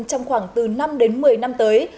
trong khoảng từ năm đến một mươi năm tới